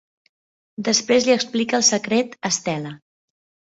Després li explica el secret a Stella.